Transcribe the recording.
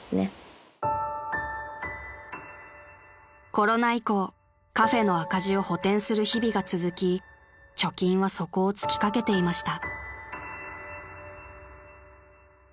［コロナ以降カフェの赤字を補てんする日々が続き貯金は底を尽きかけていました］